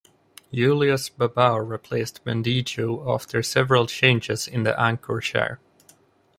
Julius Babao replaced Bendijo after several changes in the anchor chair.